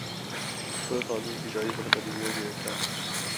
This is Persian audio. پل تازهای که جای پل قدیمی را گرفته است